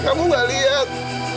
kamu gak lihat